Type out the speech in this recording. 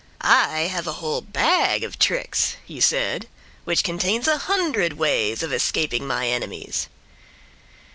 "I have a whole bag of tricks," he said, "which contains a hundred ways of escaping my enemies."